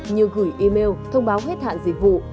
như gửi email thông báo hết hạn dịch vụ